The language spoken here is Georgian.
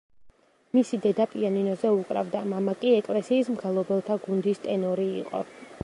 მისი დედა პიანინოზე უკრავდა, მამა კი ეკლესიის მგალობელთა გუნდის ტენორი იყო.